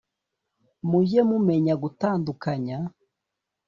mujye mumenya gutandukanya